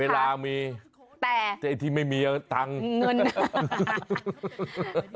เขาก็มีโปรโมชั่นถึงแค่สิ้นเดือนมรรคาราคมเท่านั้น